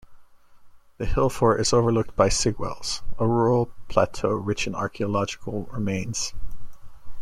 The hill fort is overlooked by Sigwells, a rural plateau rich in archaeological remains.